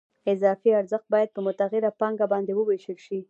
اضافي ارزښت باید په متغیره پانګه باندې ووېشل شي